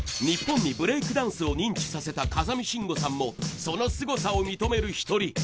日本にブレイクダンスを認知させた風見しんごさんもそのすごさを認める１人。